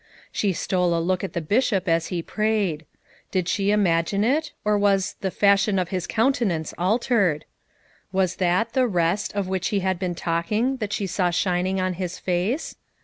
She stole a look at the Bishop as he prayed. Did she imagine it, or was "the fashion of his countenance altered"? Was that the "rest" of which he had been talking that she saw shin ing on his face?